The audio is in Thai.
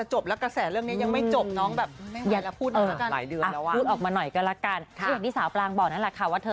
หนูไม่ได้เป็นมือที่สามค่ะ